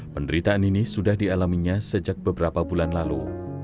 penderitaan ini sudah dialaminya sejak beberapa bulan lalu